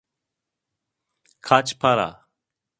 Kaç para?